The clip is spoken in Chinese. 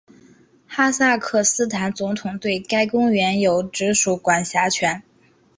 哈萨克斯坦总统对该公园有直属管辖权。